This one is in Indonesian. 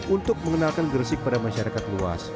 untuk mengenalkan gresik pada masyarakat luas